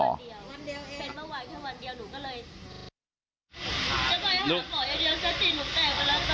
ทั้งวันเดียวเดี๋ยวหนูก็เลย